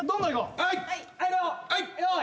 はい。